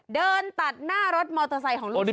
เดินตัดหน้ารถมอเตอร์ไซค์ของลูก